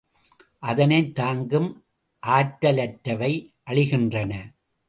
அதனைத் தாங்கும் ஆற்றலற்றவை அழிகின்றன.